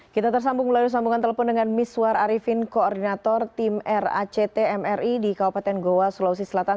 kita tersambung melalui sambungan telepon dengan miswar arifin koordinator tim ract mri di kabupaten goa sulawesi selatan